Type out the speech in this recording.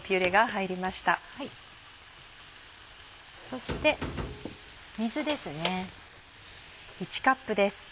そして水ですね。